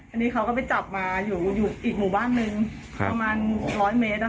อันนี้เขาก็ไปจับมาอยู่อยู่อีกหมู่บ้านหนึ่งค่ะประมาณร้อยเมตรค่ะ